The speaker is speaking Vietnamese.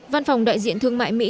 văn phòng đại diện thương mại mỹ